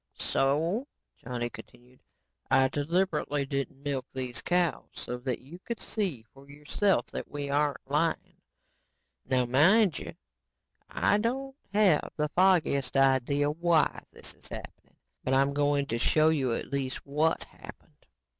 "So," Johnny continued, "I deliberately didn't milk these cows, so that you could see for yourself that we aren't lying. Now, mind you, I don't have the foggiest idea WHY this is happening, but I'm going to show you at least, WHAT happened."